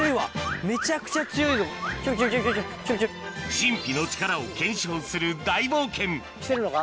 神秘の力を検証する大冒険きてるのか？